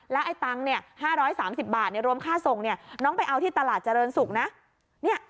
แล้วไอ้ตังค์๕๓๐บาทรวมค่าส่งเนี่ยน้องไปเอาที่ตลาดเจริญศุกร์นะ